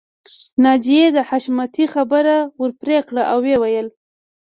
ناجیې د حشمتي خبره ورپرې کړه او ويې ويل